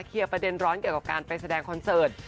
ประเด็นร้อนเกี่ยวกับการไปแสดงคอนเสิร์ต